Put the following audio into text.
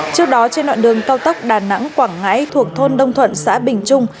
trước đó trên đoạn đường cao tốc đà nẵng quảng ngãi thuộc thôn đông thuận xã bình trung